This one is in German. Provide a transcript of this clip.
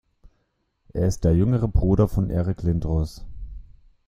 Er ist der jüngere Bruder von Eric Lindros.